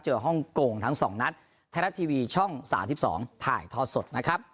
เจอห้องโก่งทั้งสองนัดไทยรัฐทีวีช่องสาวที่๒ถ่ายทอดสดนะครับ